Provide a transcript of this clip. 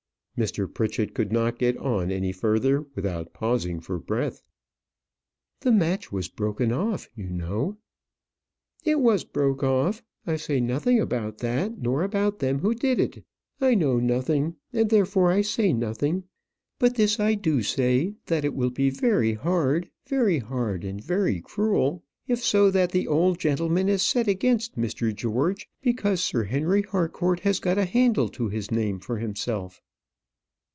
Mr. Pritchett could not get on any further without pausing for breath. "The match was broken off, you know." "It was broke off. I say nothing about that, nor about them who did it. I know nothing, and therefore I say nothing; but this I do say: that it will be very hard very hard, and very cruel if so that the old gentleman is set against Mr. George because Sir Henry Harcourt has got a handle to his name for himself."